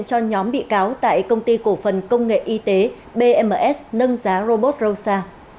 cho nhóm bị cáo tại công ty cổ phần công nghệ y tế bms nâng giá robot rosa